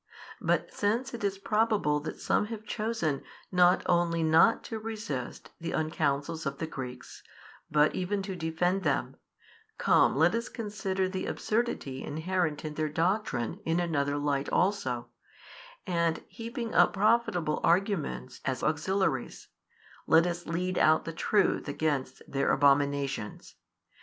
But since it is probable that some have chosen not only not to resist the un counsels of the Greeks, but even to defend them, come let us consider the absurdity inherent in their doctrine in another light also and, heaping up profitable arguments as auxiliaries, let us lead out the truth against their abominations.